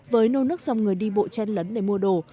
với nô nước xong người đi bộ chen lấn để mua đồ